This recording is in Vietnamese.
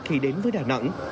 khi đến với đà nẵng